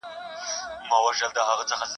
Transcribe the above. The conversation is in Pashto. نه قیامت سته نه د مرګ توري پلټني ..